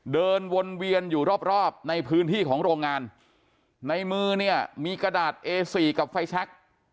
เดินวนเวียนอยู่รอบรอบในพื้นที่ของโรงงานในมือเนี่ยมีกระดาษเอสี่กับไฟแชค